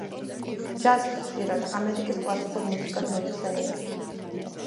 ჯაზს ხშირად „ამერიკის კლასიკურ მუსიკად“ მოიხსენიებენ.